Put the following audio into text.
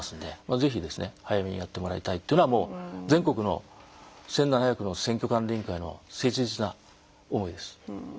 ぜひですね早めにやってもらいたいというのはもう全国の１，７００の選挙管理委員会の切実な思いです。